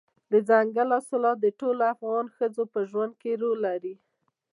دځنګل حاصلات د ټولو افغان ښځو په ژوند کې رول لري.